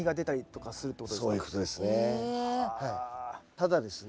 ただですね